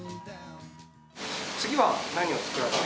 次は何を作られますか？